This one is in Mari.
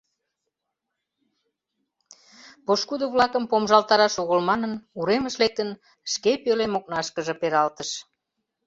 Пошкудо-влакым помыжалтараш огыл манын, уремыш лектын, шке пӧлем окнашкыже пералтыш.